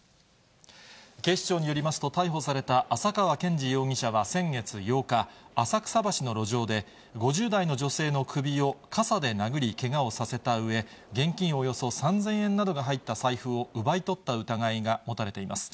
警視庁によりますと、逮捕された浅川健治容疑者は先月８日、浅草橋の路上で、５０代の女性の首を傘で殴り、けがをさせたうえ、現金およそ３０００円などが入った財布を奪い取った疑いが持たれています。